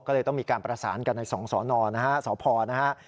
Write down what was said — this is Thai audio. ก็เลยต้องมีการประสานกันในสองสนนะฮะสพนะฮะ